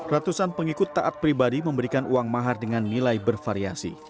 ratusan pengikut taat pribadi memberikan uang mahar dengan nilai bervariasi